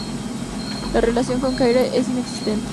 La relación con Kyra es inexistente.